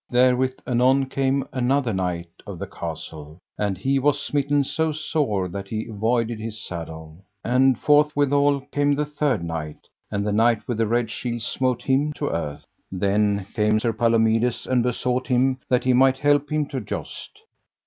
Therewith anon came another knight of the castle, and he was smitten so sore that he avoided his saddle. And forthwithal came the third knight, and the Knight with the Red Shield smote him to the earth. Then came Sir Palomides, and besought him that he might help him to joust.